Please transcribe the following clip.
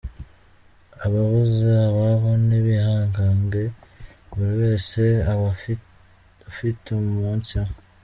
Ababuze ababo nibihangange buri wese aba ufite umunsiwe.